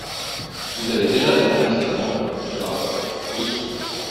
Vous avez déjà défendu cet amendement, monsieur le rapporteur… Oui.